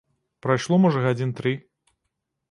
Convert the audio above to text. Прайшло можа гадзін тры.